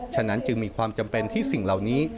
ฉะนั้นจึงมีความจำเป็นที่สิ่งเหล่านี้